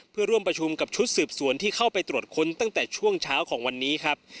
เพื่อร่วมประชุมกับชุดสืบสวนที่เข้าไปตรวจค้นตั้งแต่ช่วงเช้าของวันนี้ครับ